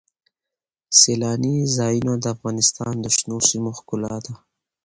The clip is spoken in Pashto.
سیلاني ځایونه د افغانستان د شنو سیمو ښکلا ده.